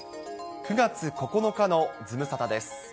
９月９日のズムサタです。